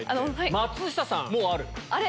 松下さんもある。